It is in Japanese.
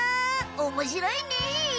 おもしろいね！